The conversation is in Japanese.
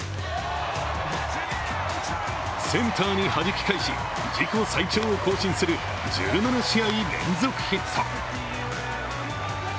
センターにはじき返し自己最長を更新する１７試合連続ヒット。